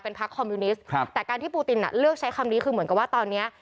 พักคอมมิวนิสต์ครับแต่การที่ปูตินเลือกใช้คำนี้คือเหมือนกับว่าตอนเนี้ย